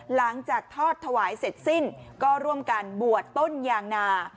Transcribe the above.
หลังจากทอดถวายเสร็จสิ้นก็ร่วมกันบวชต้นยางนา